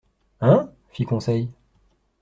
—Hein ? fit Conseil.